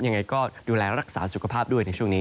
ยังไงก็ดูแลรักษาสุขภาพด้วยในช่วงนี้